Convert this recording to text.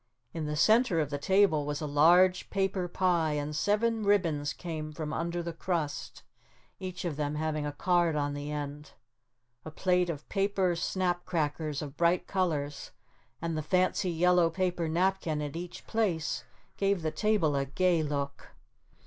In the center of the table was a large paper pie and seven ribbons came from under the crust, each of them having a card on the end. A plate of paper snap crackers of bright colors and the fancy yellow paper napkin at each place gave the table a gay look.